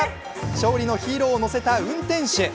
勝利のヒーローを乗せた運転手。